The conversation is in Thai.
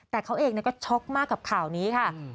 แต่เขาเองเนี่ยก็ช็อกมากกับข่าวนี้ค่ะอืม